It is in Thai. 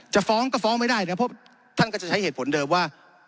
ฟ้องก็ฟ้องไม่ได้นะเพราะท่านก็จะใช้เหตุผลเดิมว่า